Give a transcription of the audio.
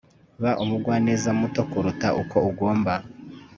ba umugwaneza muto kuruta uko ugomba